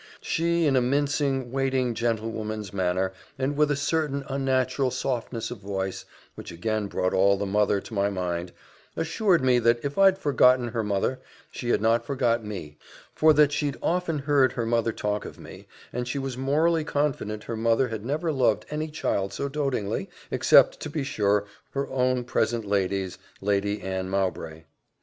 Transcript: She, in a mincing, waiting gentlewoman's manner, and with a certain unnatural softness of voice, which again brought all the mother to my mind, assured me that if I'd forgot her mother, she had not forgot me; for that she'd often and often heard her mother talk of me, and she was morally confident her mother had never loved any child so doatingly, except, to be sure, her own present lady's, Lady Anne Mowbray.